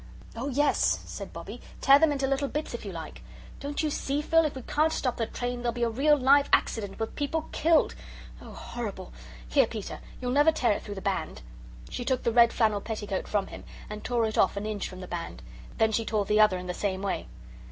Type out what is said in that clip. "Oh, yes," said Bobbie, "tear them into little bits if you like. Don't you see, Phil, if we can't stop the train, there'll be a real live accident, with people KILLED. Oh, horrible! Here, Peter, you'll never tear it through the band!" She took the red flannel petticoat from him and tore it off an inch from the band. Then she tore the other in the same way.